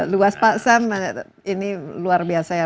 luas pak sam ini luar biasa ya